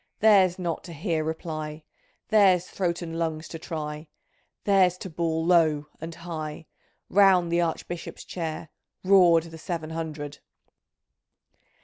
Theirs not to hear reply. Theirs throat and lungs to try. Theirs to bawl " Low " and " High," Round the Archbishop's chair Roared the seven hundred